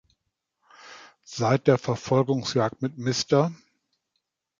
Seit der Verfolgungsjagd mit Mr.